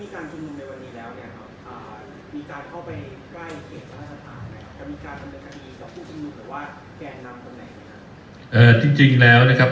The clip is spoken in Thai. มีการทำเนื้อคดีกับผู้ชุมหนุ่มหรือว่าแกนำตรงไหนครับเอ่อจริงจริงแล้วนะครับ